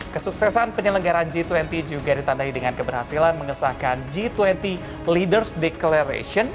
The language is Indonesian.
kesuksesan penyelenggaran g dua puluh juga ditandai dengan keberhasilan mengesahkan g dua puluh leaders declaration